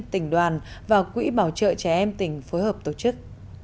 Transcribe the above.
tỉnh đoàn và quỹ bảo trợ trẻ em tỉnh phối hợp tổ chức